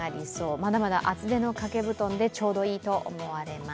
まだまだ厚手の掛け布団でちょうどいいと思われます。